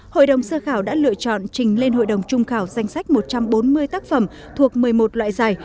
hội đồng sơ khảo đã lựa chọn trình lên hội đồng trung khảo danh sách một trăm bốn mươi tác phẩm thuộc một mươi một loại giải